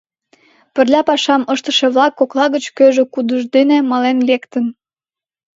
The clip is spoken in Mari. Пырля пашам ыштыше-влак кокла гыч кӧжӧ кудыж дене мален лектын.